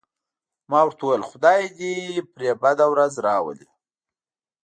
ما ورته وویل: خدای دې پرې بده ورځ راولي.